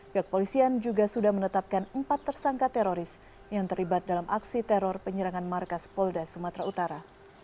pihak polisian juga sudah menetapkan empat tersangka teroris yang terlibat dalam aksi teror penyerangan markas polda sumatera utara